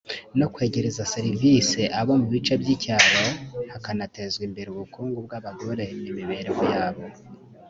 no kwegereza serivisi abo mu bice by’icyaro hakanatezwa imbere ubukungu bw’abagore n’imibereho yabo